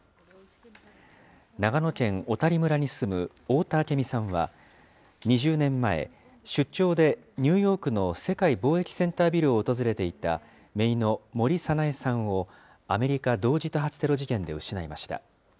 長野県小谷村に住む太田明美さんは、２０年前、出張でニューヨークの世界貿易センタービルを訪れていた、めいの森早苗さんを、アメリカ同時多発テロ事件で失いました。